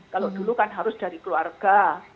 kalau dulu kan harus dari keluarga